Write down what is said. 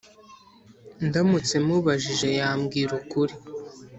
ndamutse mubajije, yambwira ukuri.